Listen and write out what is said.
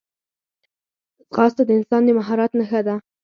ځغاسته د انسان د مهارت نښه ده